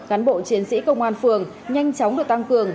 cán bộ chiến sĩ công an phường nhanh chóng được tăng cường